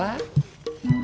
waalaikumsalam kang lidoy